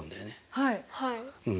はい。